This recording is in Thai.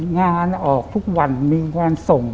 งานออกทุกวันมีงานส่ง